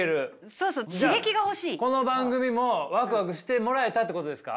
そうそうこの番組もワクワクしてもらえたってことですか？